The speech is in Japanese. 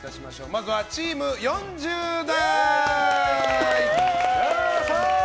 まずはチーム４０代。